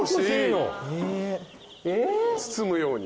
包むように。